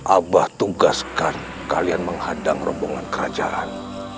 abah tugaskan kalian menghadang rombongan kerajaan